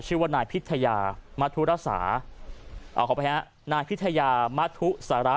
ชื่อว่านายพิทยามธุระสาขอไปฮะนายพิทยามทุสาระ